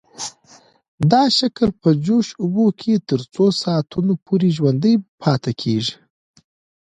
دا شکل په جوش اوبو کې تر څو ساعتونو پورې ژوندی پاتې کیږي.